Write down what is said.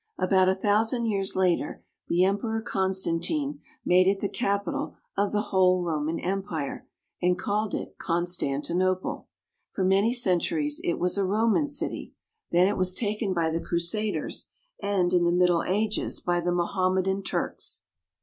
About a thousand years later the Emperor Constantine made it the capital 364 TURKEY. of the whole Roman Empire, and called it Constantinople. For many centuries it was a Roman city. Then it was taken by the Crusaders, and, in the Middle Ages, by the Mohammedan Turks.